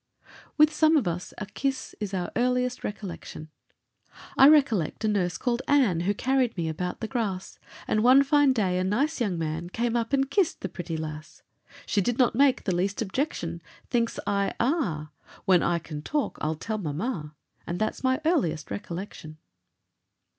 With some of us a kiss is our earliest recollection: I recollect a nurse called Ann, Who carried me about the grass; And one fine day a nice young man Came up and kissed the pretty lass. She did not make the least objection. Thinks I, "Ah, When I can talk, I'll tell mamma." And that's my earliest recollection.